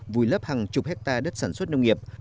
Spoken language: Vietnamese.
vùi lấp hàng chục hectare đất sản xuất nông nghiệp